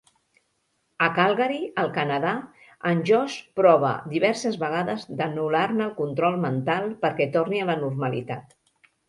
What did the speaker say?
A Calgary, al Canadà, en Josh prova diverses vegades d'anul·lar-ne el control mental perquè torni a la normalitat.